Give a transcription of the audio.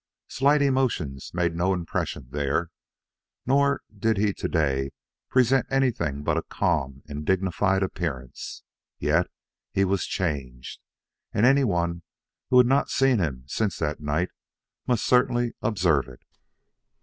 Slight emotions made no impression there; nor did he to day present anything but a calm and dignified appearance. Yet he was changed; and anyone who had not seen him since that night must certainly observe it.